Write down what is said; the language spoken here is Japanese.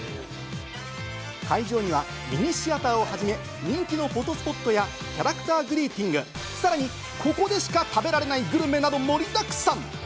会場にはミニシアターをはじめ、人気のフォトスポットやキャラクターグリーティング、さらに、ここでしか食べられないグルメなど盛りだくさん！